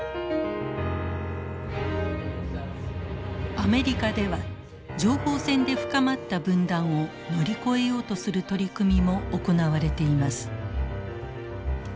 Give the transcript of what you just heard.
アメリカでは情報戦で深まった分断を乗り越えようとする取り組みも行われています。